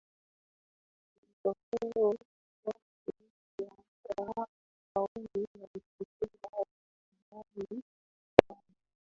matokeo yake Waafrika wengi walipoteza uhai wao